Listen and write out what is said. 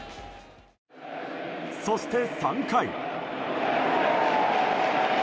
そして３回。